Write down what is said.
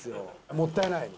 もったいない。